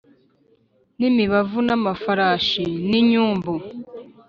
n’imibavu n’amafarashi n’inyumbu